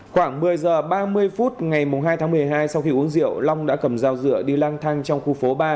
khoảng một mươi giờ ba mươi phút ngày hai tháng một mươi hai sau khi uống rượu long đã cầm rau rượu đi lang thang trong khu phố ba